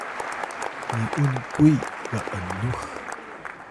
ni’un kuy g’nux